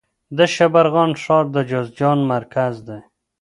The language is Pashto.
د شبرغان ښار د جوزجان مرکز دی